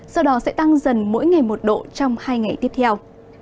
sau đó sẽ tăng dần mỗi ngày một độ trong hai ngày tiếp theo